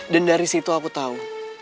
dan dari situ aku tau